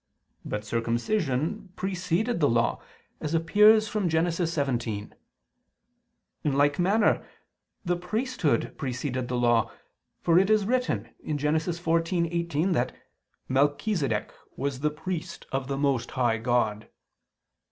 But circumcision preceded the Law, as appears from Gen. 17. In like manner the priesthood preceded the Law; for it is written (Gen. 14:18) that "Melchisedech ... was the priest of the most high God."